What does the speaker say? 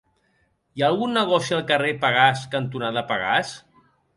Hi ha algun negoci al carrer Pegàs cantonada Pegàs?